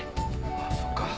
あっそっか。